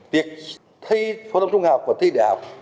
việc thi phong tâm trung học và thi đạo